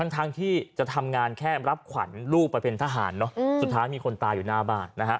ทั้งที่จะทำงานแค่รับขวัญลูกไปเป็นทหารสุดท้ายมีคนตายอยู่หน้าบ้าน